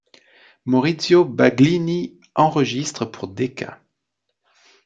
Maurizio Baglini enregistre pour Decca.